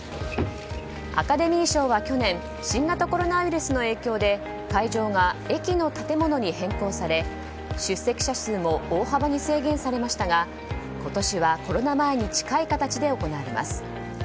アカデミー賞は去年新型コロナウイルスの影響で会場が駅の建物に変更され出席者数も大幅に制限されましたが今年はコロナ前に近い形で行われます。